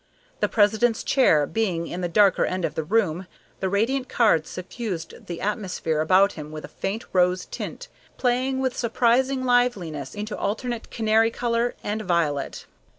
The president's chair being in the darker end of the room, the radiant card suffused the atmosphere about him with a faint rose tint, playing with surprising liveliness into alternate canary color and violet.